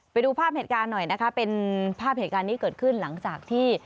ไปดูภาพเหตุการณ์หน่อยนะคะเป็นภาพเหตุการณ์นี้เกิดขึ้นหลังจากที่